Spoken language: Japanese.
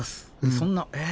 そんなえ？